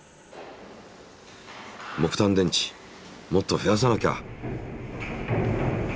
木炭電池もっと増やさなきゃ！